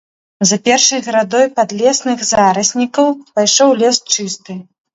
За першай градой падлесных зараснікаў пайшоў лес чысты.